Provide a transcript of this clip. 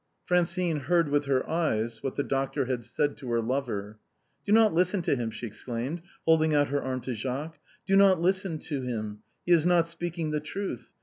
Francine heard with her eyes what the doctor had said to her lover. " Do not listen to him," she exclaimed, holding out her arm to Jacques ;" do not listen to him ; he is not speaking the truth.